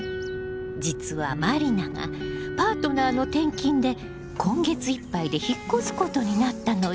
実は満里奈がパートナーの転勤で今月いっぱいで引っ越すことになったのよ。